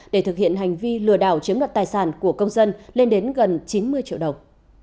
để thực hiện hành vi lừa đảo chiếm đoạt tài sản của công dân lên đến gần chín mươi triệu đồng